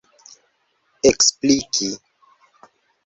ekspliki